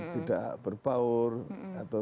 tidak berbaur atau